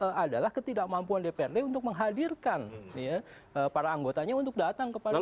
itu adalah ketidakmampuan dprd untuk menghadirkan para anggotanya untuk datang ke paripurna